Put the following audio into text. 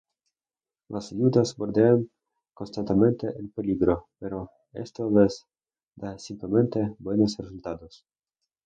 Las Viudas bordean constantemente el peligro, pero esto les da siempre buenos resultados.